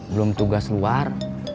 belum tugas luar